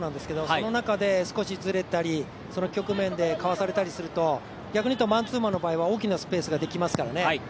その中で少しずれたりその局面でかわされたりすると逆に言うとマンツーマンの場合は大きなスペースできますからね。